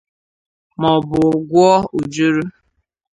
ma ọ bụ gwuo ojoro